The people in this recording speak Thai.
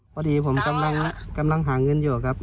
พอดีผมกำลังหาเงินอยู่ครับ